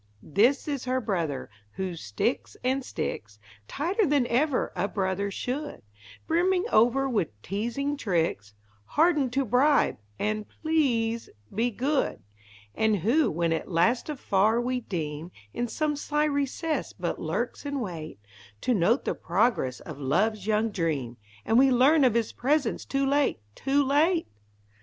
This is Her brother, who sticks and sticks Tighter than even a brother should; Brimming over with teasing tricks, Hardened to bribe and "please be good"; And who, when at last afar we deem, In some sly recess but lurks in wait To note the progress of love's young dream And we learn of his presence too late, too late!